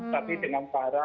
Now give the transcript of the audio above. tapi dengan para